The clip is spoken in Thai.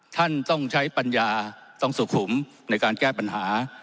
ท่านต้องใช้ปัญญาต้องสุขุมในการแก้ปัญหา